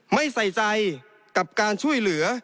ไม่ใส่ใจกับการช่วยเหลือ